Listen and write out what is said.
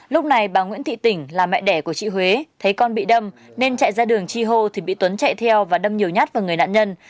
lúc này bà nguyễn thị tỉnh là mẹ đẻ của chị huế thấy con bị đâm nên chạy ra đường chi hô thì bị tuấn chạy theo và đâm nhiều nhát vào người nạn nhân